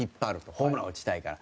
ホームラン打ちたいから。